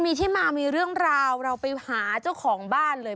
มีที่มามีเรื่องราวเราไปหาเจ้าของบ้านเลย